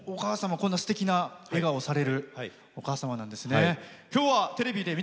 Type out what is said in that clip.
すてきな笑顔されるお母様なんですね。